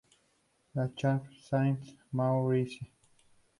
La Chapelle-Saint-Maurice